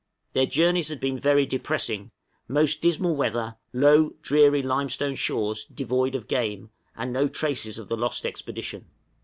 Their journeys had been very depressing; most dismal weather, low, dreary limestone shores devoid of game, and no traces of the lost expedition.